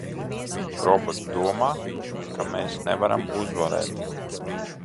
Robots domā, ka mēs nevaram uzvarēt!